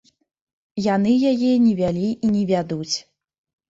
Яны яе не вялі і не вядуць.